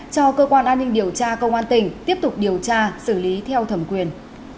cho cơ quan an ninh điều tra công an tỉnh tiếp tục điều tra xử lý theo thẩm quyền